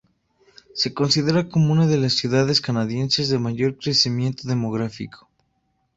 Se considera como una de las ciudades canadienses de mayor crecimiento demográfico.